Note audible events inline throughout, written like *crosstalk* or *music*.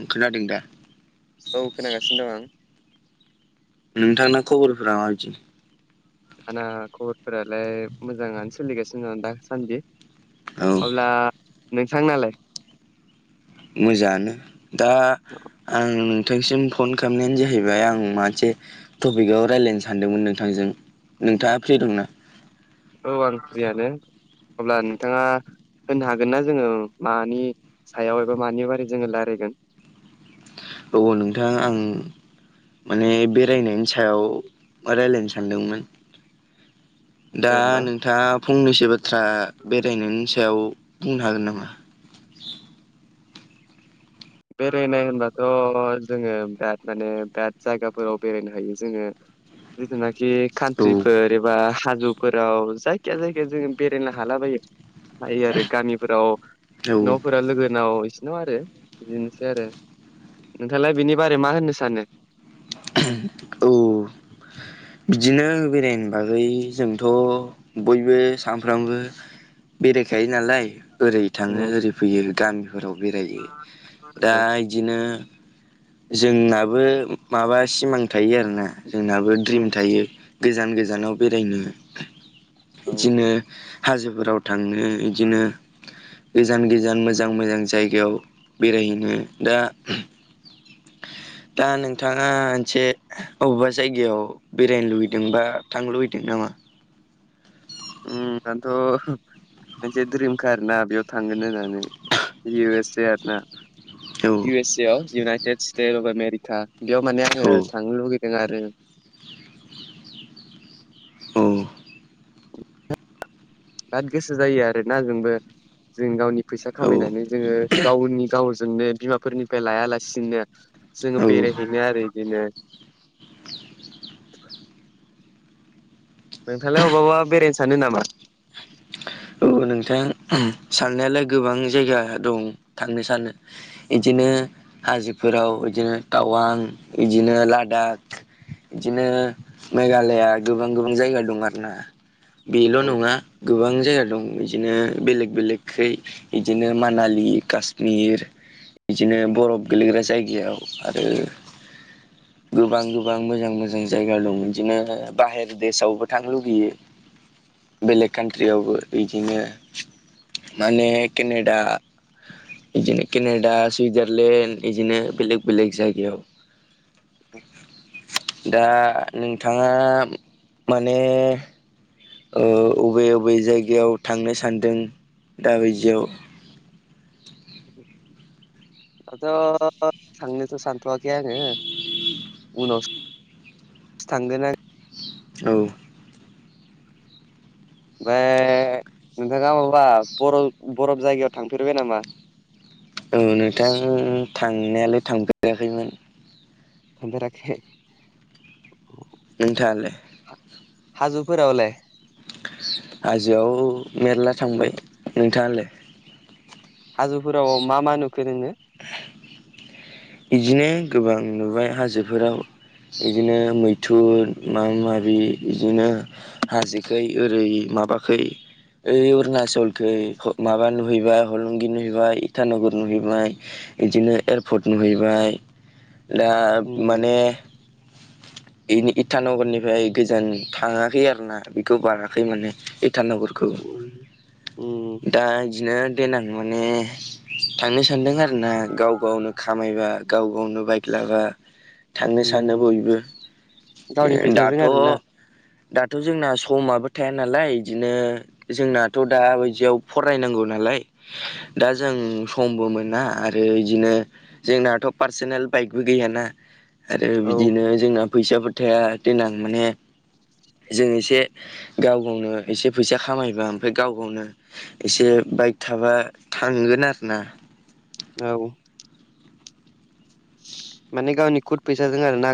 आं खोनादों दा औ खोनागासिनो दं आं नोंथांना खबरफोरा माबायदि आंना खबरफोरालाय मोजाङानो सोलिगासिनो दं दासान्दि औ अब्ला नोंथां नालाय मोजाङानो दा आं नोंथांसिम फन खालामनायानो जाहैबाय आं मासे टपिकआव रायज्लायनो सानदोंमोन नोंथांजों नोंथाङा फ्रि दंना औ आं फ्रियानो अब्ला नोंथाङा होनो हागोननाा जोङो मानि सायाव एबा मानि बारै जोङो रायलायगोन औ नोंथां आं माने बेरायनायनि सायाव रायज्लायनो सानदोंमोन दा जेनेबा नोंथाङा फंनैसो बाथ्रा बेरायनायनि सायाव बुंनो हागोन नामा? बेरायनाय होनबाथ' जोङो बेराद माने बेराद जायगाफोराव बेरायनो हायो जोङो जिथुनाखि औ खान्थ्रिफोर एबा हाजो फोराव जायखिया जायखिाया जोङ बेरायनो हालाबायो हायो आरो गामिफोराव औ न'फोरा लोगोनाव इसिनाव आरो बिदिनोसै आरो नोंथाङालाय बिनि बारै मा होननो सानो औ बिदिनो बेरायनो बागै जोंथ' बयबो सानफ्रामबो बेरायखायो नालाय ओरै थाङो उम ओरै फैयो गामिफोराव बेरायो दा औ बिदिनो जोंनाबो माबा सिमां थायो आरोना जोंनाबो द्रिम उम थायो गोजान गोजानाव बेरायनो औ बिदिनो हाजोफोराव थांनो बिदिनो गोजान गोजान मोजां मोजां जायगायाव बेरायहैनो दा दा नोंथाङा मोनसे अबेबा जायगायाव बेरायनो लुबैदों बा थांनो लुबैदों नामा। उम आंथ' मोनसे दड्रिम खा आरो ना बेयाव थांगोन होननानै इउ एस ए आरो ना। औ इउ एस ए आव इउनाइटेड स्टेट अफ आमेरिका बेयाव माने औ आङो थांनो लुुबैदों आरो। औ। बिराद गोसो जायो आरोना जोंबो जों गावनि फैसा औ खामायनानै जोङो गावनि गावजोंनो बिमाफोरनिफ्राय लाया लासिनो। औ जोङो बेरायहैनो आरो बिदिनो नोंथांलाय अबा बेरायनो सानो नामा? औ नोंथां साननायालाय गोबां जायगा दं थांनो सानो बिदिनो हाजोफोराव बिदिनो टावां बिदिनो लादाख बिदिनो मेघालया गोबां गोबां जायगा दं आर ना। बेल' औ नङा गोबां जायगा दं। बिदिनो बेलेक बेलेकै बिदिनो मानालि कास्मिर बिदिनो बरफ गोेलैग्रा जायगायाव आरो गोबां गोबां मोजां मोजां जायगा दं बिदिनो बाहेर देशआवबो थांनो लुुबैयो बेलेग कान्ट्रियावबो बिदिनो माने केनेडा बिदिनो केनेडा सुइजारलेण्ड बिदिनो बेलेग बेलेग जायगायाव। *inaudible* दा नोंथाङा माने। अबे अबे जायगायाव थांनो सानदों दा बायदियाव *inaudible* दाथ थांनोथ सान्नानै आङो उनावसो सानगोन आर औ। ओमफ्राय नोंथाङा माबा बर बरफ जायगायाव थांफेरबाय नामा औ नोंथां थांनायालाय थांफेराखैमोन थांफेराखै नोथांआलाय हा हाजौ फोरावलााय हाजोआव मेरला थांबाय नोंथाङालाय। हाजोफोराव मा मा नुखो नोङो। बिदिनो गोबां नुबाय हाजोफोराव। बिदिनो मैथुर माबि माबि बिदिनो हाजोखै ओरै माबाखै ओइ अरुणाचलख माबा नुहैबाय हलंगि नुहैबाय इटानगर नुहैबाय बिदिनो एयारपर्ट नुहैबाय दा उम माने *unintelligible* इथानगरनिफ्राय इटानानगरखौ उम दा बिदिनो देनां माने थांनो सानदों आरो ना गाव गावनो खामायबा गाव गावनो बाइक लाबा थांनो सानो उम बयबो गावनि फैसाजों दाथ' आरोना दाथ' जोंना समाबो थाया नालाय बिदिनो जोंनाथ' दााबायदियाव फरायनांगौ नालाय दा जों समबो मोना आरो बिदिनो जोंनाथ' पार्सनेल बाइकबो गैयाना आरो औ बिदिनो जोंना फैसाफोर थाया देनां माने जों एसे गाव गावनो एसे फैसा खामायबा ओमफ्राय गाव गावनो एसे बाइक थाबा थांगोन आरो ना औ। माने गावनि खुद फैसाजों आरो ना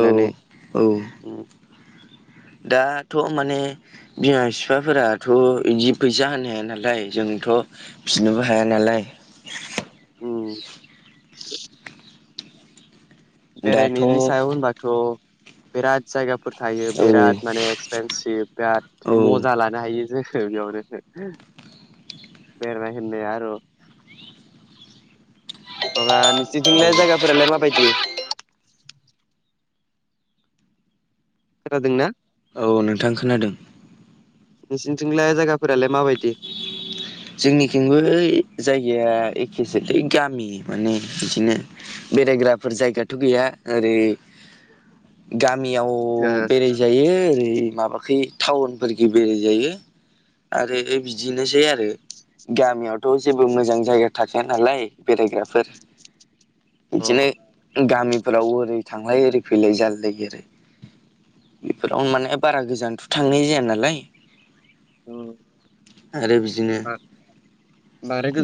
औ औ दाथ' माने बिमा बिफाफोराथ' बिदि फैसा होनो हाया नालाय जोंथ' फिनोबो हाया नालाय ओम दाथ' बेरायनायनि औ सायाव होनबाथ' बिराद जायगा फोर थायो बेराद औ माने एक्सपेनभ बिराद मजा लानो नो हायो जोङो बेयावनो बेरायनाय होननाया आरो अब्ला निसिनिथिंलाय जायगाफोरा लाय माबादि खोनादोंना? औ नोंथां खोनादों। नोंसोरनिथिंलाय जायगाफोरालाय माबायदि? *unintelligible* जोंनिथिंबो जायगाया एखेसोलै गामि माने बिदिनो। बेरायग्राफोर जायगाथ' गैया ओरै गामियाव बेरायजायो ओरै माबा खै टाउनफोरख बेराय जायो आरो बिदिनोसै आरो। गामियावथ' जेबो मोजां जायगा थाखाया नालाय बेरायग्राफोर। बिदिनो ओ गामिफोराव ओरै थांलाय ओरै फैलाय जालायलायो आरो। बेफोरावनो माने बारा गोजानथ' थांनाय जाया नालाय। आरो बिदिनो अ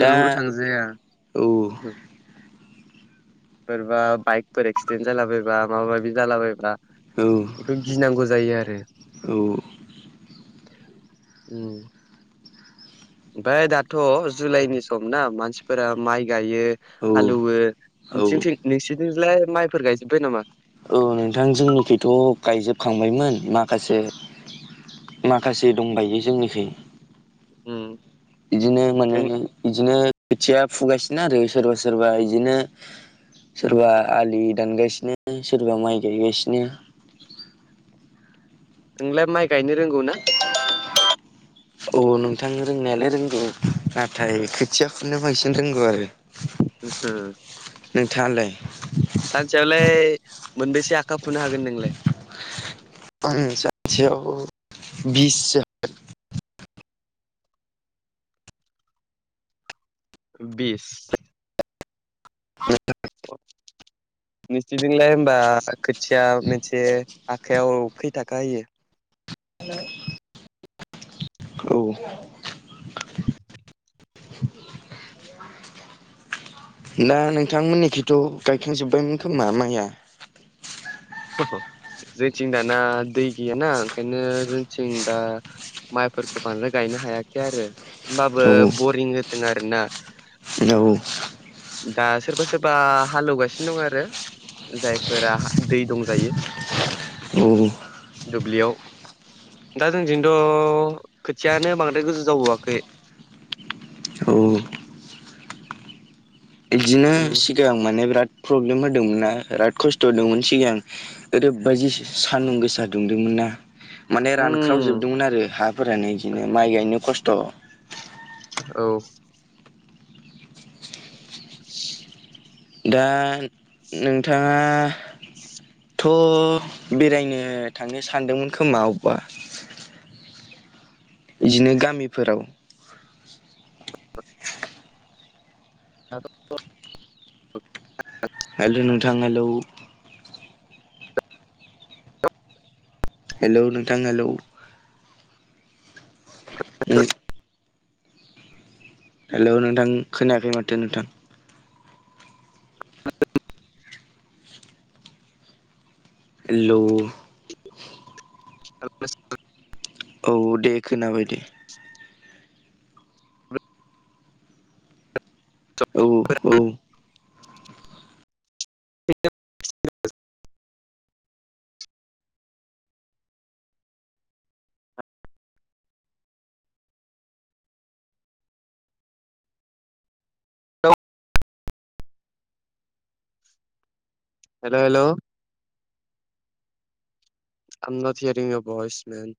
दा जाया। औ सोरबा बाइकफोर एक्सिडेन्ट जालाबायबा माबा माबि जालाबायबा औ बेखौ गिनांगौ जायो आरो। औ ओम ओमफ्राय दाथ' जुलाइनि सम ना मानसिफोरा माइ गायो औ हालौवो औ नोंसिथिं नोंसिथिंलाय माइफोर गायजोबबाय नामा? औ नोंथां जोंनिखैथ' गायजोबखांबायमोन माखासे माखासे दंबायो जोंनिखै। ओम। बिदिनो माने बिदिनो खोथिया फुगासिनो आरो सोरबा सोरबा बिदिनो। सोरबा आलि दानगासिनो सोरबा माइ गायगासिनो। नोंलाय माइ गायनो रोंगौ ना *unintelligible* औ नोंथां रोंनायालाय रोंगौ नाथाय खोथियाखौनो बांसिन रोंगौ आरो। ओम। नोंथाङालाय सानसेयावलाय मोनबेसे आखा फुनो हागोन नोंलाय? आं सानसेयाव बिससो बिस? *unintelligible* *unintelligible* नोंसिनिथिंलाय होनबा खोथिया मोनसे आखायाव खै थाखा होयो? औ। *unintelligible* दा नोंथांमोननिखैथ' गायखांजोब्बायमोन खोमा माइया। जोंथिं दाना दै गैयाना ओंखायनो जोंथिं दा माइफोरखौ बांद्राय गायनो हायाखै आरो औ होनबाबो बरिं होदों आरोना। औ दा सोरबा सोरबा हालेवगासिनो दं आरो। जायफोरा दै दंजायो औ दुब्लियाव। दा जोंजोंथ' खोथियानो बांद्राय गोजौ जाबावाखै। औ इदिनो उम सिगां माने बिराद प्रब्लेम होदोंमोनना बिराद खस्थ' होदोंमोन सिगां। ओरैबायदि सान्दुं गोसा दुंदोंमोन ना। माने उम रानख्रावजोबदोंमोन आरो हाफोरानो इदिनो माइ गायनो खस्थ'। औ *inaudible* दा नोंथाङा थ' बेरायनो थांनो सानदोंमोन खोमा अबबा। इदिनो गामिफोराव *unintelligible* हेलौ नोंथां हेलौ। हेलौ नोंथां हेलौ हेलौ नोंथां खोनायाखै माथो नोंथां। हेलौ *unintelligible* औ दे खोनाबाय दे। औ औ *unintelligible* हेलौ हेलौ आम नथ हियारिं ए भइस मेन